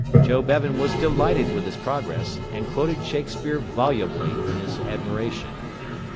Joe Bevan was delighted with his progress, and quoted Shakespeare volubly in his admiration.